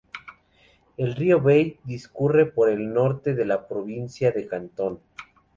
El río Bei discurre por el norte de la provincia de Cantón.